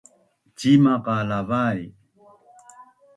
Cimaq qa lavai?